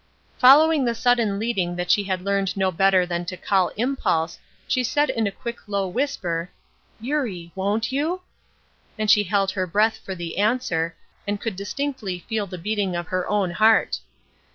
Following the sudden leading that she had learned no better than to call 'impulse' she said in a quick low whisper: "Eurie, won't you?" And she held her breath for the answer, and could distinctly feel the beating of her own heart.